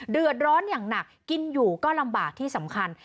เดือดร้อนอย่างหนักกินอยู่ก็ลำบากที่สำคัญ